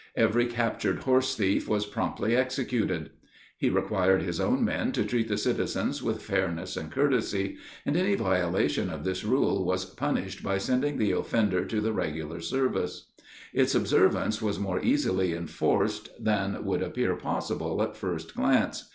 Every captured horse thief was promptly executed. He required his own men to treat the citizens with fairness and courtesy, and any violation of this rule was punished by sending the offender to the regular service. Its observance was more easily enforced than would appear possible at first glance.